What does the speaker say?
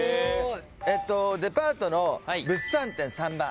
デパートの物産展３番。